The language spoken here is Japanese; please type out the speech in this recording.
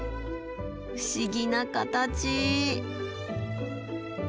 不思議な形。